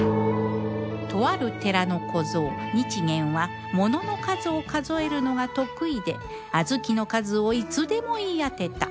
とある寺の小僧日顕はものの数を数えるのが得意で小豆の数をいつでも言い当てた